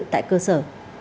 tại cơ sở